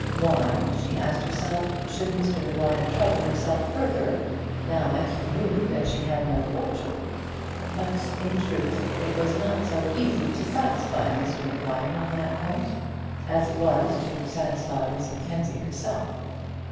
Why, she asked herself, should Mr Maguire trouble himself further, now that he knew that she had no fortune? But, in truth, it was not so easy to satisfy Mr Maguire on that point, as it was to satisfy Miss Mackenzie herself.